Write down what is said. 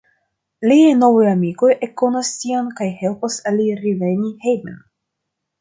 Liaj novaj amikoj ekkonas tion kaj helpas al li reveni hejmen.